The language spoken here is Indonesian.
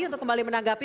untuk kembali menanggapi